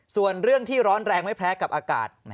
ส่วนเรื่องที่ร้อนแรงไม่แพ้กับอากาศ